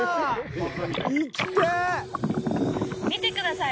見てください。